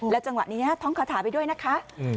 จังหวะนี้ท่องคาถาไปด้วยนะคะ